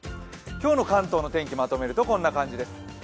今日の関東の天気をまとめるとこんな感じです。